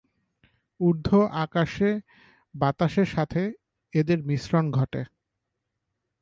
ঊর্ধ আকাশে বাতাসের সাথে এদের মিশ্রন ঘটে।